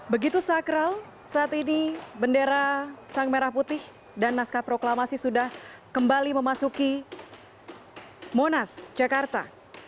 begitu sakral saat ini bendera sang merah putih dan naskah proklamasi sudah kembali memasuki monas jakarta